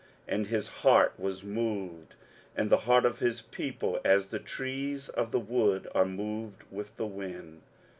And his heart was moved, and the heart of his people, as the trees of the wood are moved with the wind.